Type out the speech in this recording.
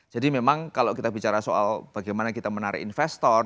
memang kalau kita bicara soal bagaimana kita menarik investor